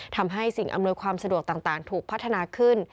ทำให้สิ่งอำนวยความสะดวกต่างถูกพัฒนาขึ้น